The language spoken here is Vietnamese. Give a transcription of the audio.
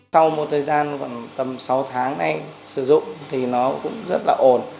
sau một thời gian khoảng tầm sáu tháng anh sử dụng thì nó cũng rất là ổn